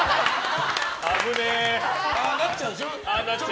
ああなっちゃうでしょ。